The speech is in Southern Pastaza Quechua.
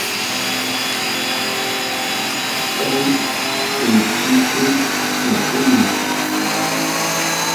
¿Kan rinkichu yakuma?